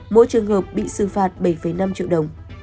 mỗi trường hợp bị xử phạt bảy năm triệu đồng